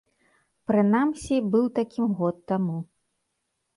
Прынамсі, быў такім год таму.